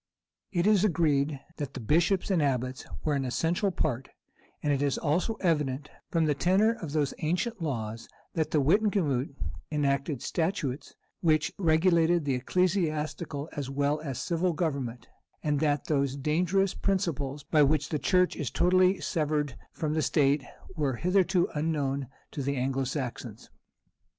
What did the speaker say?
It is agreed that the bishops and abbots[*] were an essential part; and it is also evident, from the tenor of those ancient laws, that the wittenagemot enacted statutes which regulated the ecclesiastical as well as civil government, and that those dangerous principles, by which the church is totally severed from the state, were hitherto unknown to the Anglo Saxons.